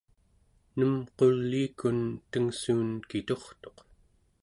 nem quliikun tengssuun kiturtuq